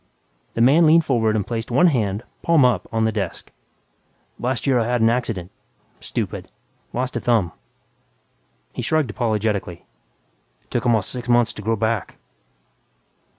The man leaned forward and placed one hand, palm up, on the desk. "Last year I had an accident ... stupid ... lost a thumb." He shrugged apologetically, "It took almost six months to grow back."